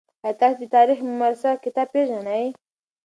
آیا تاسي د تاریخ مرصع کتاب پېژنئ؟